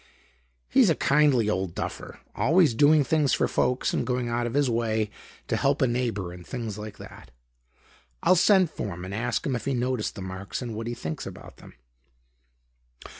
He's a kindly old duffer; always doing things for folks and going out of his way to help a neighbor and things like that. I'll send for him and ask him if he noticed the marks and what he thinks about them."